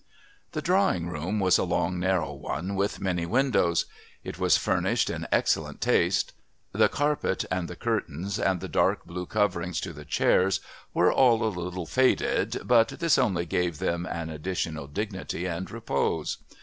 The drawing room was a long narrow one with many windows; it was furnished in excellent taste. The carpet and the curtains and the dark blue coverings to the chairs were all a little faded, but this only gave them an additional dignity and repose.